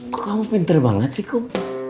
kok kamu pinter banget sih kum